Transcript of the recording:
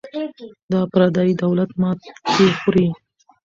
دا پردی دولت ماتې خوري.